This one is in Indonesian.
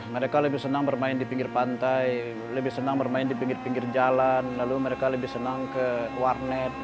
mereka lebih senang bermain di pinggir pantai lebih senang bermain di pinggir pinggir jalan lalu mereka lebih senang ke warnet